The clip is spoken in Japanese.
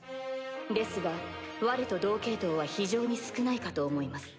ですがわれと同系統は非常に少ないかと思います。